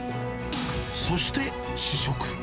そして試食。